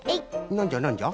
なんじゃなんじゃ？